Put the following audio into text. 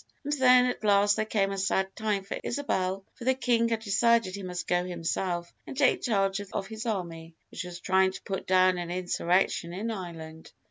And then at last there came a sad time for Isabel, for the King had decided he must go himself and take charge of his army, which was trying to put down an insurrection in Ireland.